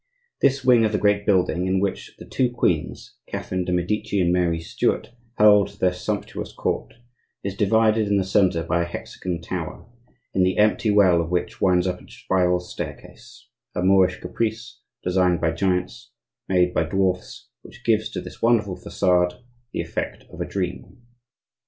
This wing of the great building, in which the two queens, Catherine de' Medici and Mary Stuart, held their sumptuous court, is divided in the centre by a hexagon tower, in the empty well of which winds up a spiral staircase,—a Moorish caprice, designed by giants, made by dwarfs, which gives to this wonderful facade the effect of a dream.